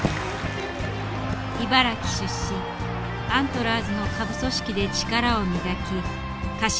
茨城出身アントラーズの下部組織で力を磨き鹿島